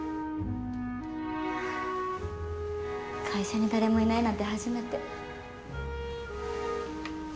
会社に誰もいないなんて初めて。